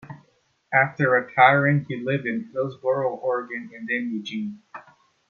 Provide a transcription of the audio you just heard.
After retiring he lived in Hillsboro, Oregon, and then Eugene.